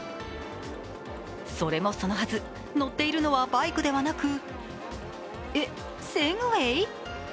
それもそのはず、乗っているのはバイクではなく、えっ、セグウェイ？